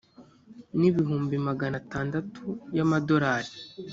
n ibihumbi magana atandatu yamadorari